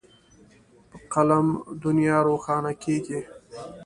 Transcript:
په قلم دنیا روښانه کېږي.